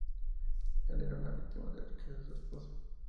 Él era una víctima de la riqueza de su esposa.